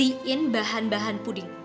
kita bikin bahan bahan puding